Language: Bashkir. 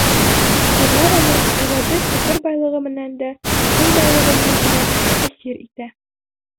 Гөлнараның ижады фекер байлығы менән дә, һүҙ байлығы менән дә әсир итә.